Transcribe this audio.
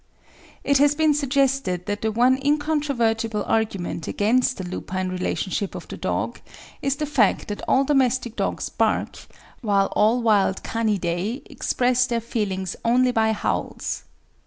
It has been suggested that the one incontrovertible argument against the lupine relationship of the dog is the fact that all domestic dogs bark, while all wild Canidae express their feelings only by howls.